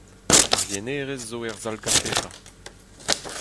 Ar yenerez zo er sal-gafeta.